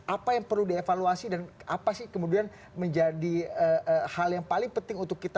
apa yang perlu dievaluasi dan apa sih kemudian menjadi hal yang paling penting untuk kita